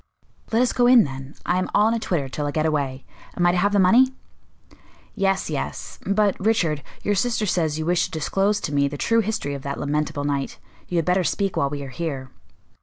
"Let us go in, then. I am all in a twitter till I get away. Am I to have the money?" "Yes, yes. But, Richard, your sister says you wish to disclose to me the true history of that lamentable night. You had better speak while we are here."